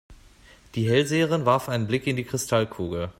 Die Hellseherin warf einen Blick in die Kristallkugel.